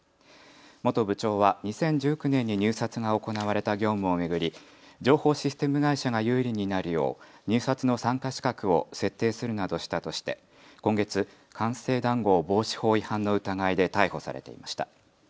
元部長は２０１９年に入札が行われた業務を巡り情報システム会社が有利になるよう入札の参加資格を設定するなどしたとして今月、官製談合防止法違反の疑いで逮捕されていました。